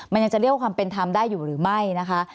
มันยังจะเรียกว่าความเป็นธรรมได้อยู่หรือไม่นะคะ